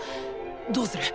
どうする？